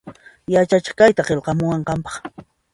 Yachachiq kayta qillqamuwan qanpaq